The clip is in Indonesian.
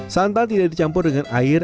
santan tidak dicampur dengan air